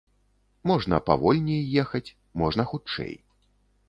Можна павольней ехаць, можна хутчэй.